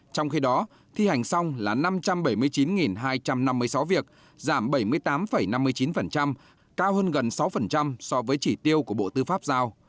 trong khi đó thi hành xong là năm trăm bảy mươi chín hai trăm năm mươi sáu việc giảm bảy mươi tám năm mươi chín cao hơn gần sáu so với chỉ tiêu của bộ tư pháp giao